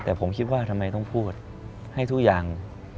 แต่ผมคิดว่าทำไมต้องพูดให้ทุกอย่าง